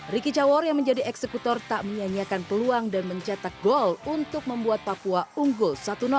ricky cawor yang menjadi eksekutor tak menyanyiakan peluang dan mencetak gol untuk membuat papua unggul satu